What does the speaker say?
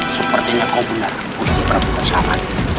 sepertinya kau benar gusti prabu tasha